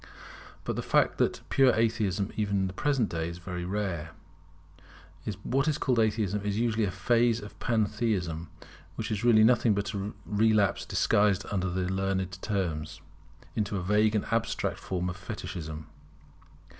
But the fact is that pure Atheism even in the present day is very rare. What is called Atheism is usually a phase of Pantheism, which is really nothing but a relapse disguised under learned terms, into a vague and abstract form of Fetichism.